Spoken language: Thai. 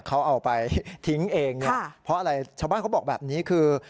เขาเอาไปทิ้งเองเนี่ยเพราะอะไรชาวบ้านเขาบอกแบบนี้คือ